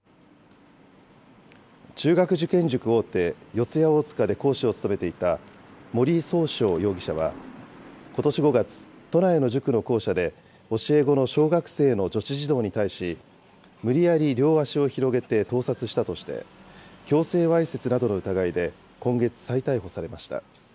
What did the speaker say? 中学受験塾大手、四谷大塚で講師を務めていた森崇翔容疑者は、ことし５月、都内の塾の校舎で、教え子の小学生の女子児童に対し、無理やり両足を広げて盗撮したとして、強制わいせつなどの疑いで今月、再逮捕されました。